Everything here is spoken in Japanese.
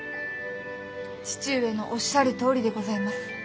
父上のおっしゃるとおりでございます。